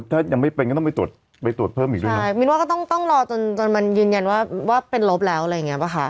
ถ้ายังไม่เป็นก็ต้องไปตรวจไปตรวจเพิ่มอีกด้วยใช่มินว่าก็ต้องต้องรอจนจนมันยืนยันว่าว่าเป็นลบแล้วอะไรอย่างเงี้ป่ะคะ